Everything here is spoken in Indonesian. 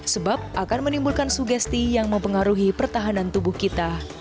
sebab akan menimbulkan sugesti yang mempengaruhi pertahanan tubuh kita